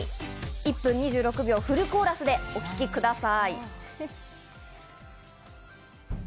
１分２６秒、フルコーラスでお聴きください。